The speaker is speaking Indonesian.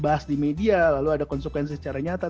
bahas di media lalu ada konsekuensi secara nyata